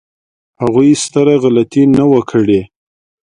هغوی ستره غلطي نه وه کړې.